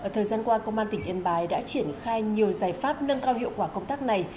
thời gian qua công an tỉnh yên bái đã triển khai nhiều giải pháp nâng cao hiệu quả công tác này